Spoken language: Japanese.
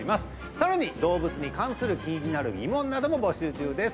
さらに動物に関する気になる疑問なども募集中です